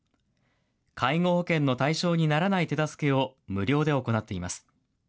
介護保険の対象にならない手助けを無料で行っています。